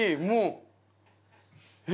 もう。